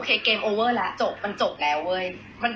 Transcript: เกมโอเว่อ่ะจบมันจบแล้วเว้ย